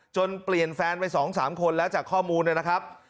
เปลี่ยนแฟนไป๒๓คนแล้วจากข้อมูลนะครับ